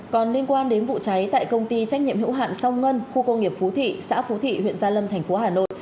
còn liên quan đến vụ cháy tại công ty trách nhiệm hữu hạn song ngân khu công nghiệp phú thị xã phú thị huyện gia lâm thành phố hà nội